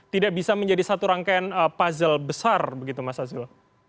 tidak bisa menjadi satu rangkaian puzzle besar begitu mas azul